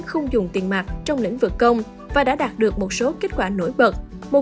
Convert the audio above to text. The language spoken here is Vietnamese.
không dùng tiền mặt trong lĩnh vực công và đã đạt được một số kết quả nổi bật